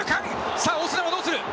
さあオスナはどうする。